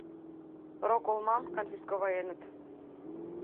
— Роколмам конфисковаеныт.